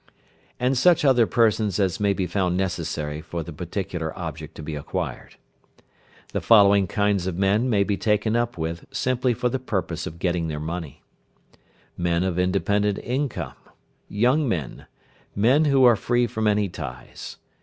And such other persons as may be found necessary for the particular object to be acquired. The following kinds of men may be taken up with simply for the purpose of getting their money. Men of independent income. Young men. Men who are free from any ties.